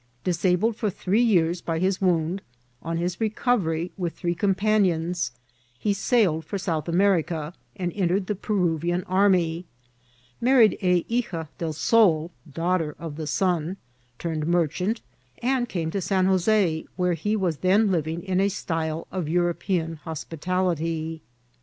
Disabled for three years by his wound, on his recovery, with three companions, he sailed for South America, and entered the Peruvian army, married a Hica del Sol, Daughter of the Sun, turned merchant, and came to San Joe6, where he was then living in a style of European hospitality.